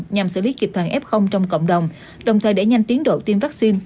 nhằm xử lý kịp thời f trong cộng đồng đồng thời để nhanh tiến độ tiêm vaccine